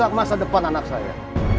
jangan merusak masa depan anak saya